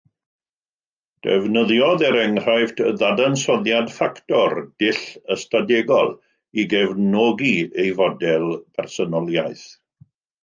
Defnyddiodd, er enghraifft, ddadansoddiad ffactor, dull ystadegol, i gefnogi ei fodel personoliaeth.